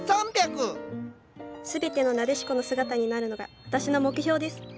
全てのナデシコの姿になるのが私の目標です。